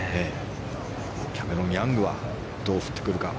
キャメロン・ヤングはどう振ってくるか。